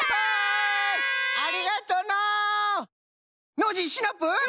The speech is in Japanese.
ノージーシナプー。